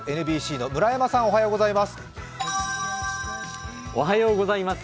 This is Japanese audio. ＮＢＣの村山さん、おはようございます。